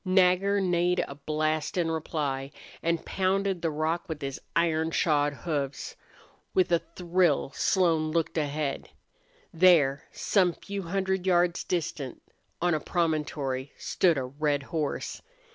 Nagger neighed a blast in reply and pounded the rock with his iron shod hoofs. With a thrill Slone looked ahead. There, some few hundred yards distant, on a promontory, stood a red horse.